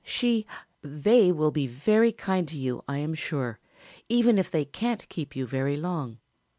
"She they will be very kind to you, I am sure, even if they can't keep you very long.